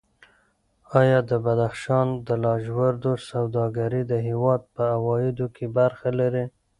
ایا د بدخشان د لاجوردو سوداګري د هېواد په عوایدو کې برخه لري؟